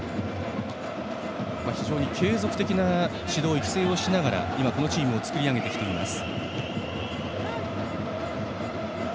継続的な指導・育成をしながらこのチームを作り上げています。